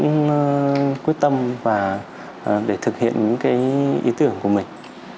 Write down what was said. chúng tôi vẫn quyết tâm và để thực hiện những cái ý tưởng của mình